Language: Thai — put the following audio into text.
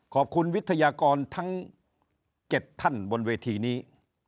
ขอบคุณวิทยากรทั้ง๗ท่านบนเวทีนี้